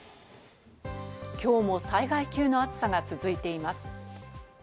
きょうも災害級の暑さが続いています。